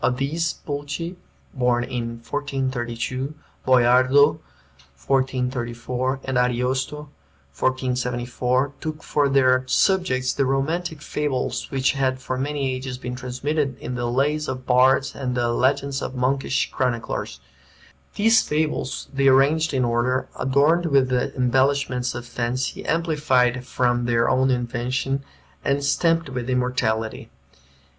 Of these, Pulci (born in 1432), Boiardo (1434), and Ariosto (1474) took for their subjects the romantic fables which had for many ages been transmitted in the lays of bards and the legends of monkish chroniclers. These fables they arranged in order, adorned with the embellishments of fancy, amplified from their own invention, and stamped with immortality.